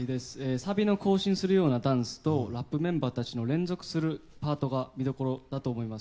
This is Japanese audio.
サビの行進するようなダンスとラップメンバーたちの連続するパートが見どころだと思います。